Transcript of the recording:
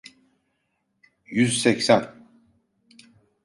Yüz seksen.